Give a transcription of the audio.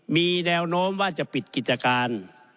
มีแนวโน้มว่าจะปิดกิจการ